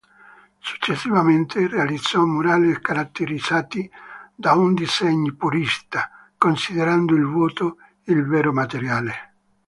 Successivamente, realizzò murales caratterizzati da un design purista, considerando il vuoto il vero materiale.